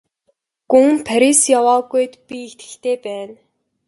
Гүн Парис яваагүйд би итгэлтэй байна.